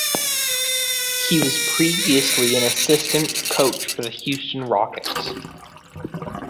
He was previously an assistant coach for the Houston Rockets.